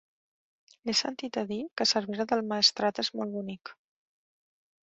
He sentit a dir que Cervera del Maestrat és molt bonic.